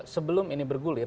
sebelum ini bergulung